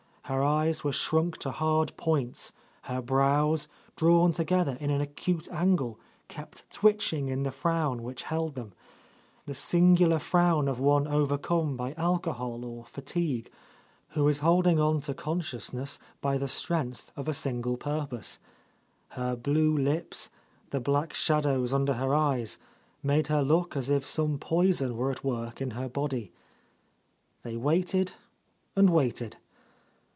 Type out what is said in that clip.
Her eyes were shrunk to hard points. Her brows, drawn together in an acute angle, kept twitching in the frown which held them, — the singular frown of one overcome by alcohol or fatigue, who is holding on to conscious ness by the strength of a single purpose. Her blue lips, the black shadows under her eyes, made her look as if some poison were at work in her body. They waited and waited.